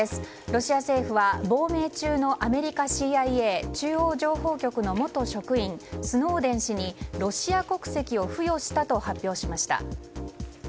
ロシア政府は亡命中のアメリカＣＩＡ・アメリカ中央情報局の元職員、スノーデン氏にロシア国籍を付与したと発表しました。